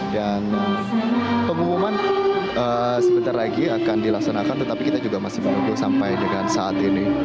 dan pengumuman sebentar lagi akan dilaksanakan tetapi kita juga masih menunggu sampai dengan saat ini